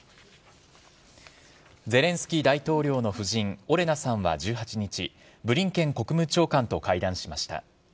ゼレンスキー大統領の夫人、オレナさんは１８日、ブリンケン国務長官と会談しました。